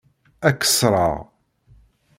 Ad k-ṣṣreɣ.